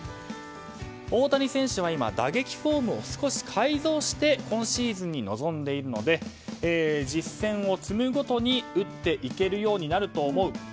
大谷選手は今打撃フォームを少し改造して今シーズンに臨んでいるので実戦を積むごとに打っていけるようになると思う。